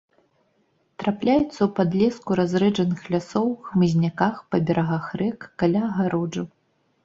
Трапляюцца ў падлеску разрэджаных лясоў, хмызняках, па берагах рэк, каля агароджаў.